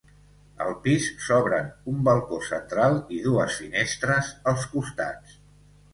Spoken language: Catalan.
Al pis s'obren un balcó central i dues finestres als costats.